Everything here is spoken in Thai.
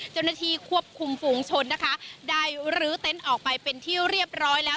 เจ้าหน้าที่ควบคุมฝูงชนนะคะได้รื้อเต็นต์ออกไปเป็นที่เรียบร้อยแล้ว